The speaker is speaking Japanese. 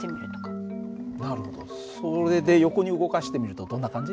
それで横に動かしてみるとどんな感じ？